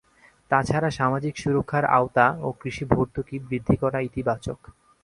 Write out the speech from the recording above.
তা ছাড়া সামাজিক সুরক্ষার আওতা ও কৃষি ভর্তুকি বৃদ্ধি করা ইতিবাচক।